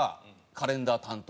カレンダー担当？